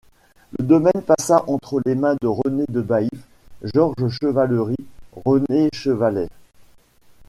Le domaine passa entre les mains de René de Baïf, Georges Chevallerie, René Chevaller.